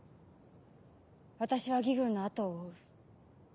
私は魏軍の後を追う。